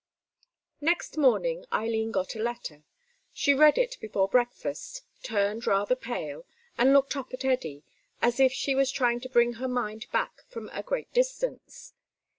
Next morning Eileen got a letter. She read it before breakfast, turned rather paler, and looked up at Eddy as if she was trying to bring her mind back from a great distance.